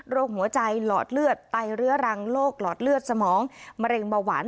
หัวใจหลอดเลือดไตเรื้อรังโรคหลอดเลือดสมองมะเร็งเบาหวาน